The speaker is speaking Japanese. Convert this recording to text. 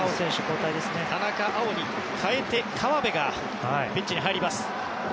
田中碧に代えて川辺がベンチに入ります。